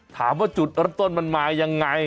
ถามว่าจุดเริ่มต้นมันมายังไง